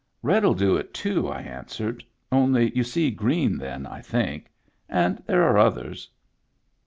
"RedTl do it, too," I answered. "Only you see green then, I think. And there are others."